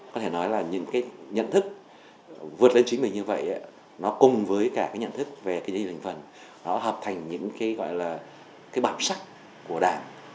có thể nói là những cái nhận thức vượt lên chính mình như vậy nó cùng với cả cái nhận thức về chính trị thành phần nó hợp thành những cái gọi là cái bảo sách của đảng